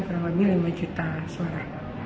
kurang lebih lima juta suara